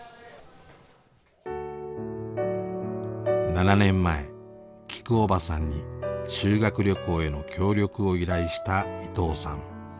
７年前きくおばさんに修学旅行への協力を依頼した伊藤さん。